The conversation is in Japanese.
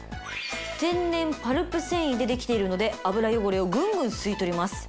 天然パルプ繊維でできているので油汚れをグングン吸い取ります。